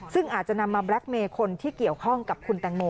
ซึ่งอาจจะนำมาแบล็คเมย์คนที่เกี่ยวข้องกับคุณแตงโม